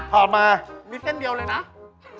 จริงหรอมีเส้นเดียวเลยนะถอบมา